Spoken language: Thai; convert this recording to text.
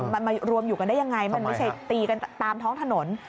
มันมารวมอยู่กันได้ยังไงมันไม่ใช่ตีกันตามท้องถนน